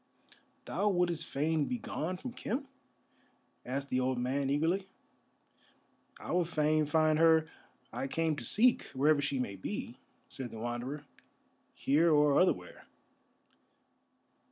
"Thou wouldest fain begone from Khem?" asked the old man, eagerly. "I would fain find her I came to seek, wherever she may be," said the Wanderer. "Here or otherwhere."